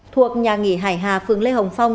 thuộc nhà nghỉ hải hà phường lê hồng phong